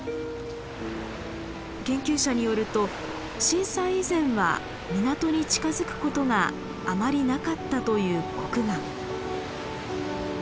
研究者によると震災以前は港に近づくことがあまりなかったというコクガン。